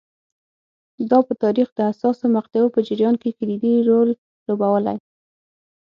دا په تاریخ د حساسو مقطعو په جریان کې کلیدي رول لوبولی